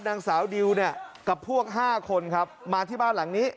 นางสาวดิวเนี่ยกับพวก๕คนครับมาที่บ้านหลังนี้